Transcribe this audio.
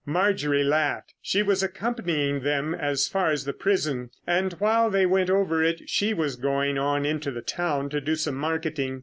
Marjorie laughed. She was accompanying them as far as the prison, and while they went over it she was going on into the town to do some marketing.